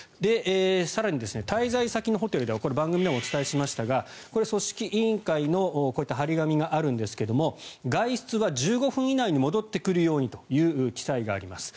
更に、滞在先のホテルでは番組でもお伝えしましたがこういった組織委員会の貼り紙があるんですけれども外出は１５分以内に戻ってくるようにという記載があります。